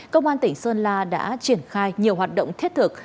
công an tỉnh sơn la đã triển khai nhiều hoạt động thiết thực